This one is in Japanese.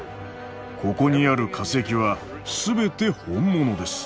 ここにある化石は全て本物です。